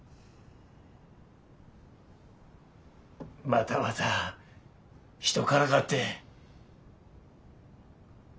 またまた人からかって。